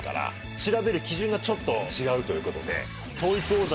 調べる基準がちょっと違うということで。